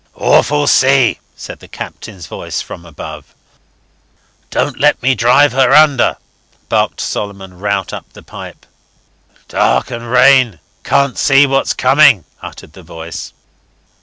"Awful sea," said the Captain's voice from above. "Don't let me drive her under," barked Solomon Rout up the pipe. "Dark and rain. Can't see what's coming," uttered the voice.